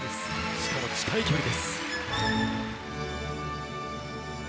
しかも、近い距離です。